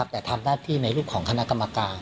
แต่ทำหน้าที่ในรูปของคณะกรรมการ